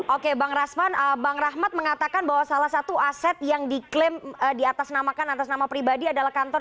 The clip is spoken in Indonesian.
oke bang rasman bang rahmat mengatakan bahwa salah satu aset yang diklaim diatasnamakan atas nama pribadi adalah kantor